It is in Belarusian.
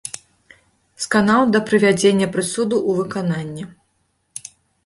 Сканаў да прывядзення прысуду ў выкананне.